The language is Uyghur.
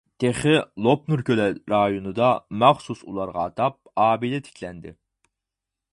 تېخى لوپنۇر كۆلى رايونىدا مەخسۇس ئۇلارغا ئاتاپ ئابىدە تىكلەندى.